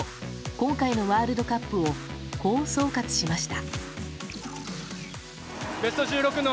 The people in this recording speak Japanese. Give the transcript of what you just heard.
今回のワールドカップをこう総括しました。